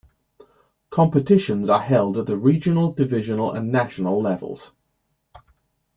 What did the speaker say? Competitions are held at the regional, divisional, and national levels.